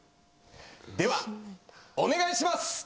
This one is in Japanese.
ではお願いします！